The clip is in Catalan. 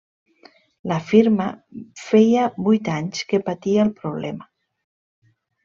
La firma feia vuit anys que patia el problema.